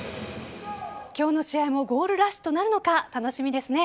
今日の試合もゴールラッシュとなるのか楽しみですね。